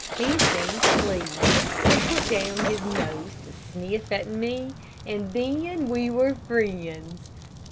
He seemed pleased and put down his nose to sniff at me, and then we were friends.